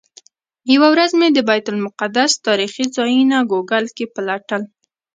یوه ورځ مې د بیت المقدس تاریخي ځایونه ګوګل کې پلټل.